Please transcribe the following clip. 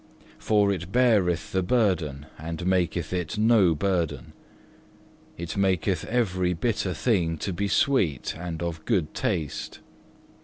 For it beareth the burden and maketh it no burden, it maketh every bitter thing to be sweet and of good taste.